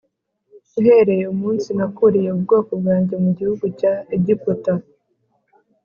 uhereye umunsi nakuriye ubwoko bwanjye mu gihugu cya Egiputa